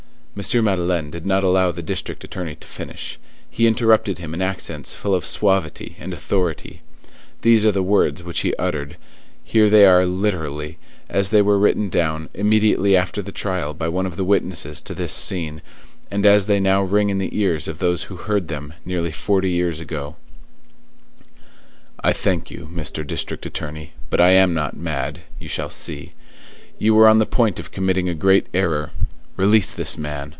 Madeleine did not allow the district attorney to finish; he interrupted him in accents full of suavity and authority. These are the words which he uttered; here they are literally, as they were written down, immediately after the trial by one of the witnesses to this scene, and as they now ring in the ears of those who heard them nearly forty years ago:— "I thank you, Mr. District Attorney, but I am not mad; you shall see; you were on the point of committing a great error; release this man!